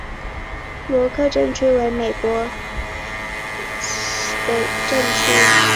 罗克镇区为美国堪萨斯州马歇尔县辖下的镇区。